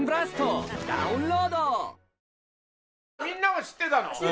みんなは知ってたの？